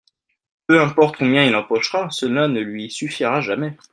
Peu importe combien il empochera, cela ne lui suffira jamais.